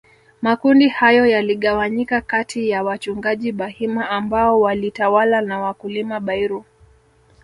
Makundi hayo yaligawanyika katiya wachungaji Bahima ambao walitawala na wakulima Bairu